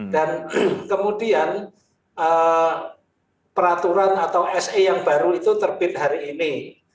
dan kemudian peraturan atau se yang baru itu terbit hari ini